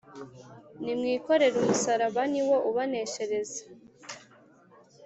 Nimwikorere'umusaraba: Ni wo ubaneshereza.